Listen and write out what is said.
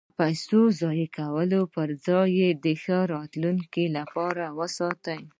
د پیسو د ضایع کولو پرځای یې د ښه راتلونکي لپاره وساتئ.